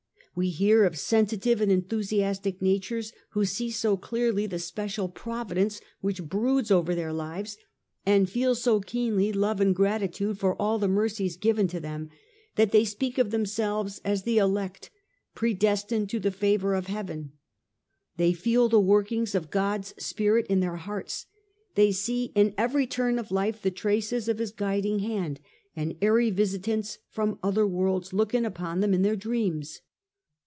We hear of sensitive and enthusiastic natures who see so clearly the special providence which broods over their lives, and feel so keenly love and gratitude for all the mercies given to them, that they speak of themselves as the elect predestined to the favour of heaven. They feel the workings of God's spirit in their hearts; they sec in every turn of life the traces of His guiding hand, and airy visitants from other worlds look in upon them in their dreams.